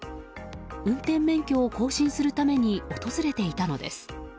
運転免許を更新するために訪れていたのです。